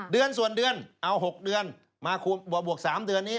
เดือนส่วนเดือนเอา๖เดือนมาบวก๓เดือนนี้